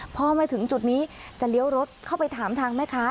พอมาถึงจุดนี้จะเลี้ยวรถเข้าไปถามทางแม่ค้า